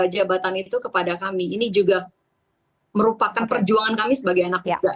jabatan itu kepada kami ini juga merupakan perjuangan kami sebagai anak muda